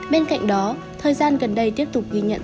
bên cạnh đó thời gian gần đây tiếp tục ghi nhận